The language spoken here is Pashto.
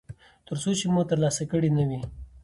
ترڅو چې مو ترلاسه کړی نه وي.